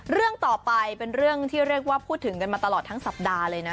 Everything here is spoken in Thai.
เรื่องต่อไปเป็นเรื่องที่เรียกว่าพูดถึงกันมาตลอดทั้งสัปดาห์เลยนะ